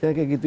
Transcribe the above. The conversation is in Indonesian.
ya kayak gitu